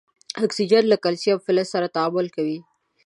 اکسیجن له کلسیم فلز سره تعامل کوي.